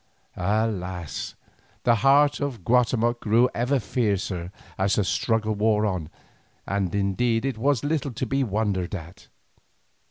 Alas! the heart of Guatemoc grew ever fiercer as the struggle wore on, and indeed it was little to be wondered at.